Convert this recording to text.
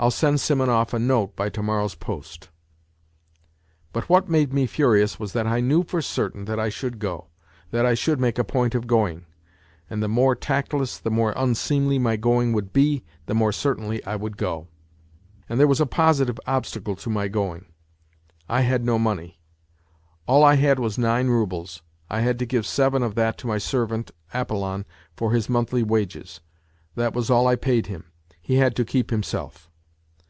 I'll send Simonov a note by to morrow's post. ..." But what made me furious was that I knew for certain that I should go, that I should make a point of going ; and the more tactless, the more unseemly my going would be, the more certainly I would go. And there was a positive obstacle to my going : I had no money. All I had was nine roubles, I had to give seven of that to my servant, Apollon, for his monthly wages. That was all I paid him he had to keep himself.